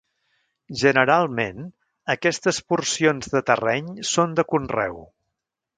Generalment aquestes porcions de terreny són de conreu.